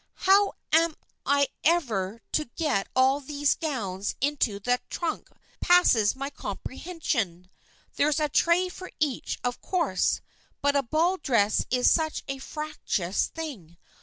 "How I'm ever to get all these gowns into that trunk passes my comprehension. There's a tray for each, of course; but a ball dress is such a fractious thing.